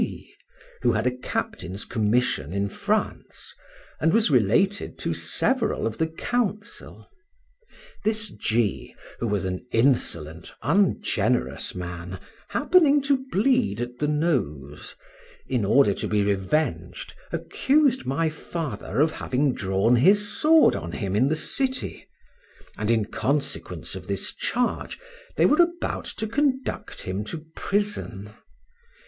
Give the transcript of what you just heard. G , who had a captain's commission in France, and was related to several of the Council. This G , who was an insolent, ungenerous man, happening to bleed at the nose, in order to be revenged, accused my father of having drawn his sword on him in the city, and in consequence of this charge they were about to conduct him to prison.